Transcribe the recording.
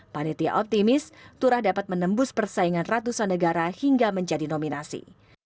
panitia optimis turah dapat menembus persaingan ratusan negara hingga menjadi nominasi